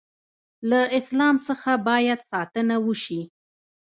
له اسلام څخه باید ساتنه وشي.